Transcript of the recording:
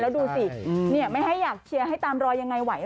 แล้วดูสิไม่ให้อยากเชียร์ให้ตามรอยยังไงไหว